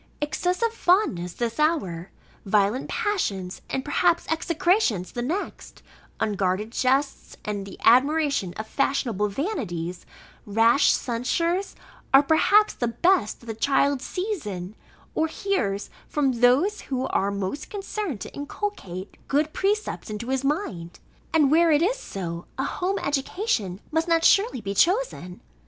Excessive fondness this hour; violent passions and perhaps execrations, the next; unguarded jests, and admiration of fashionable vanities, rash censures, are perhaps the best, that the child sees in, or hears from those, who are most concerned to inculcate good precepts into his mind. And where it is so, a home education must not surely be chosen.